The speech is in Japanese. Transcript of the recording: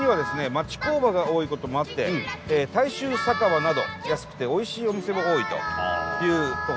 町工場が多いこともあって大衆酒場など安くておいしいお店も多いというところですね。